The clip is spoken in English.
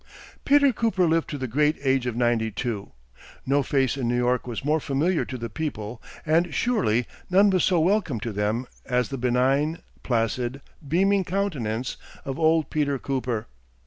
Peter Cooper lived to the great age of ninety two. No face in New York was more familiar to the people, and surely none was so welcome to them as the benign, placid, beaming countenance of "Old Peter Cooper."